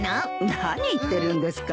何言ってるんですか。